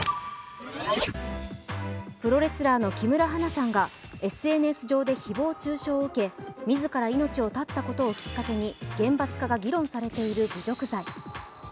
プロレスラーの木村花さんがＳＮＳ上で誹謗中傷を受け自ら命を絶ったことをきっかけに厳罰化が議論されている侮辱罪。